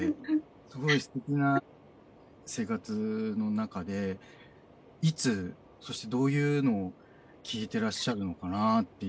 すごいすてきな生活の中でいつそしてどういうのを聴いてらっしゃるのかなっていうのが。